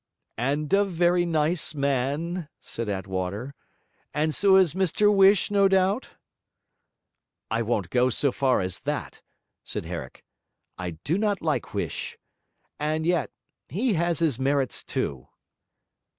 'And a very nice man?' said Attwater. 'And so is Mr Whish, no doubt?' 'I won't go so far as that,' said Herrick. 'I do not like Huish. And yet... he has his merits too.'